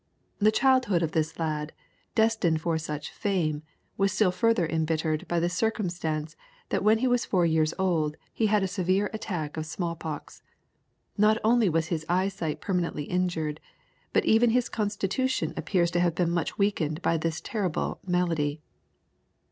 The childhood of this lad, destined for such fame, was still further embittered by the circumstance that when he was four years old he had a severe attack of small pox. Not only was his eyesight permanently injured, but even his constitution appears to have been much weakened by this terrible malady.